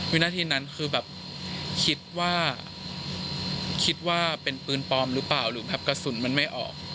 วินาทีนั้นคือแบบคิดว่าคิดว่าเป็นปืนปลอมหรือเปล่าหรือแบบกระสุนมันไม่ออก